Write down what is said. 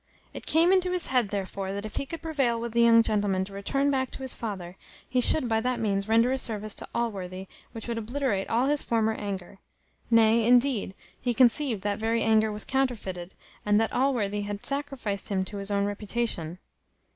It came into his head, therefore, that if he could prevail with the young gentleman to return back to his father, he should by that means render a service to Allworthy, which would obliterate all his former anger; nay, indeed, he conceived that very anger was counterfeited, and that Allworthy had sacrificed him to his own reputation.